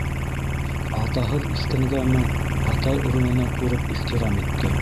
Атаһыҙ үҫкәнгәме - атай урынына күреп ихтирам итте.